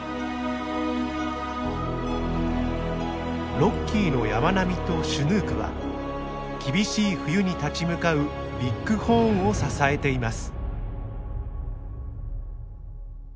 ロッキーの山並みとシュヌークは厳しい冬に立ち向かうビッグホーンを支えています。